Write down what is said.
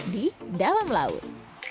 di dalam laut